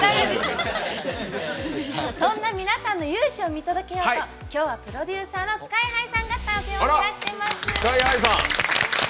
そんな皆さんの雄姿を見届けようときょうはプロデューサーのＳＫＹ‐ＨＩさんがスタジオにいらしています。